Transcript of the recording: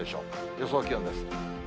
予想気温です。